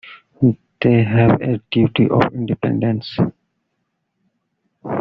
They have a duty of independence.